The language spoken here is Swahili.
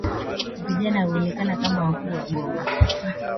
Vijana huonekana kama wakuu wa boma